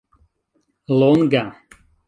longa